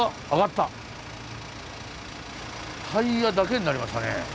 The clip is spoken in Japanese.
タイヤだけになりましたね。